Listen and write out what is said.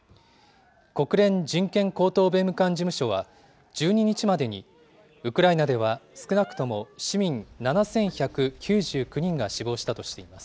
国連人権高等弁務官事務所は、１２日までに、ウクライナでは少なくとも市民７１９９人が死亡したとしています。